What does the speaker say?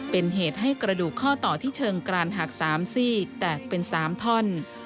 เป็นเหตุให้กระดูกข้อต่อที่เชิงกรานหัก๓ซี่แตกเป็น๓ท่อน